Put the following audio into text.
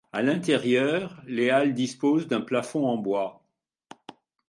À l'intérieur, les halles disposent d'un plafond en bois.